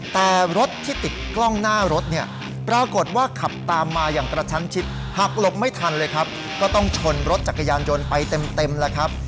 แต่รถที่ติดกล้องหน้ารถเนี่ยปรากฏว่าขับตามมาอย่างกระชั้นชิดหักหลบไม่ทันเลยครับก็ต้องชนรถจักรยานยนต์ไปเต็มแล้วครับ